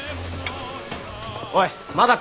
おいまだか！